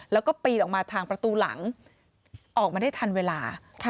แล้วก็ปีนออกมาทางประตูหลังออกมาได้ทันเวลา